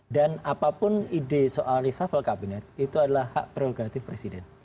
dan apapun ide soal resafal kabinet itu adalah hak prioritatif presiden